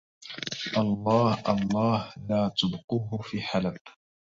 الله الله لا تبقوه في حلب